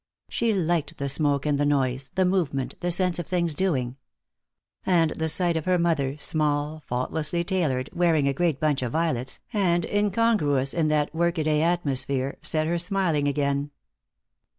She liked the smoke and the noise, the movement, the sense of things doing. And the sight of her mother, small, faultlessly tailored, wearing a great bunch of violets, and incongruous in that work a day atmosphere, set her smiling again.